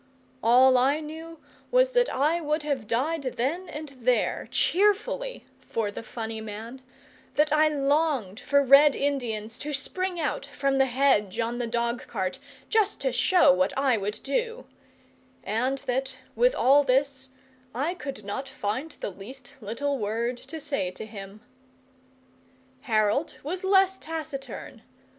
All I knew was that I would have died then and there, cheerfully, for the funny man; that I longed for red Indians to spring out from the hedge on the dog cart, just to show what I would do; and that, with all this, I could not find the least little word to say to him. Harold was less taciturn.